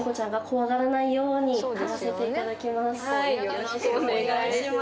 よろしくお願いします。